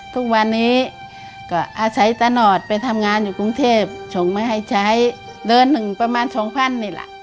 ทุกวันนี้ก็อาศัยตลอดไปทำงานอยู่กรุงเทพส่งมาให้ใช้เดือนหนึ่งประมาณสองพันนี่แหละ